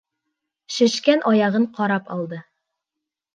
Шешкән аяғын ҡарап алды.